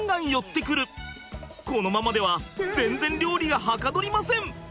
このままでは全然料理がはかどりません！